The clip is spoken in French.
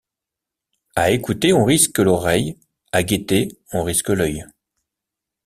À écouter, on risque l’oreille ; à guetter, on risque l’œil.